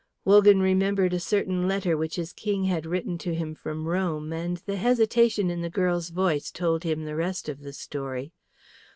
Wogan remembered a certain letter which his King had written to him from Rome; and the hesitation in the girl's voice told him the rest of the story.